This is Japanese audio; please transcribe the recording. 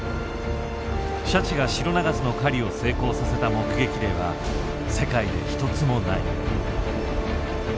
シャチがシロナガスの狩りを成功させた目撃例は世界で一つもない。